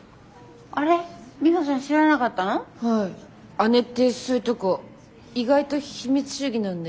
姉ってそういうとこ意外と秘密主義なんで。